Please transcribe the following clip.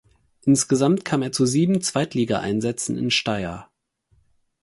Insgesamt kam er zu sieben Zweitligaeinsätzen in Steyr.